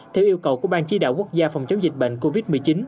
theo yêu cầu của ban chỉ đạo quốc gia phòng chống dịch bệnh covid một mươi chín